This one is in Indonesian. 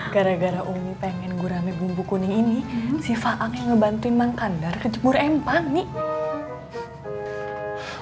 gara gara umi pengen gurame bumbu kuning ini si faak yang ngebantuin mang kandar kejemur empang nih